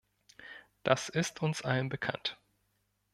Das ist uns allen bekannt.